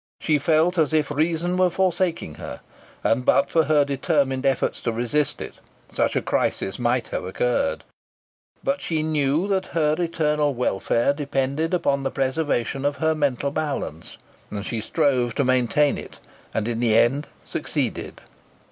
She felt as if reason were forsaking her, and, but for her determined efforts to resist it, such a crisis might have occurred. But she knew that her eternal welfare depended upon the preservation of her mental balance, and she strove to maintain it, and in the end succeeded.